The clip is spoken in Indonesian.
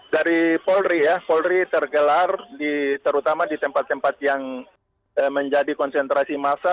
dari polri ya polri tergelar terutama di tempat tempat yang menjadi konsentrasi massa